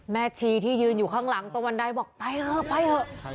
แม่ชี้ที่ยืนอยู่ข้างหลังตรงวันดายบอกไปเหอะไปเหอะ